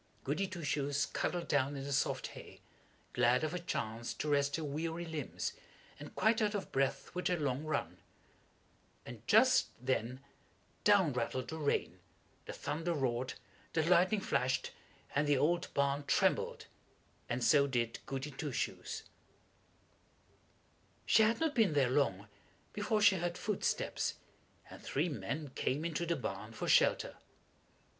Goody Two Shoes cuddled down in the soft hay, glad of a chance to rest her weary limbs, and quite out of breath with her long run; and just then down rattled the rain, the thunder roared, the lightning flashed, and the old barn trembled, and so did Goody Two Shoes. [Illustration: The spelling Lesson] She had not been there long before she heard footsteps, and three men came into the barn for shelter.